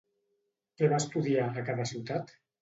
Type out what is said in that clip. Què va estudiar, a cada ciutat?